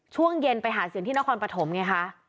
ช่วงเย็นไปหาเสียงที่นครปฐมไงคะ